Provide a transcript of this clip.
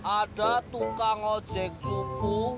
ada tukang ojek cukup